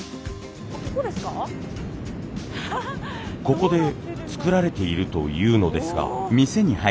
ここで作られているというのですが。